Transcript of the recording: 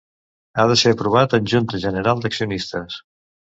Ha de ser aprovat en junta general d'accionistes.